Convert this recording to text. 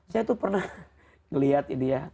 saya tuh pernah ngeliat ini ya